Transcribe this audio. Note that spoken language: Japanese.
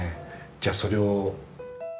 じゃあ、それを。